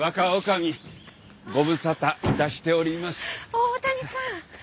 大谷さん。